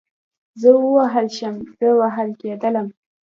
زه ووهل شوم, زه وهل کېدلم